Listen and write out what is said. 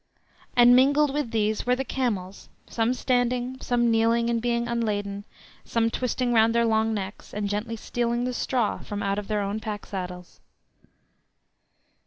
And mingled with these were the camels, some standing, some kneeling and being unladen, some twisting round their long necks, and gently stealing the straw from out of their own pack saddles.